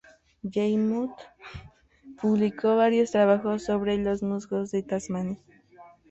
Weymouth publicó varios trabajos sobre los musgos de Tasmania.